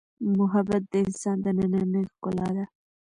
محبت د انسان دنننۍ ښکلا ده.